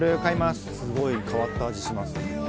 すごい変わった味します。